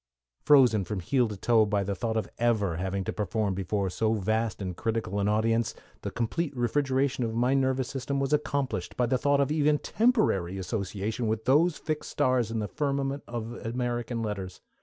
Frozen from heel to toe by the thought of having to appear before so vast and critical an audience, the complete refrigeration of my nervous system was accomplished by the thought of even temporary association with those fixed stars in the firmament of American Letters.